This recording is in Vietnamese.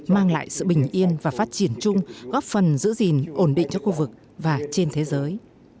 mang lại sự bình yên và phát triển chung góp phần giữ gìn ổn định cho khu vực và trên thế giới